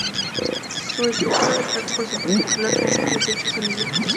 Su estructura destaca por su particular forma de techo cilíndrico.